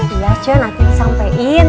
iya cek nanti disampein